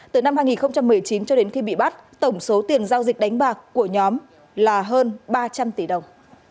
từ năm hai nghìn một mươi chín cho đến khi bị bắt tổng số tiền giao dịch đánh bạc của nhóm là hơn ba trăm linh tỷ đồng